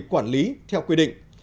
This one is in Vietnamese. quản lý theo quy định